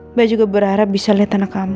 mbak juga berharap bisa lihat anak kami